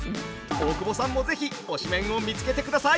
大久保さんも是非推しメンを見つけてください。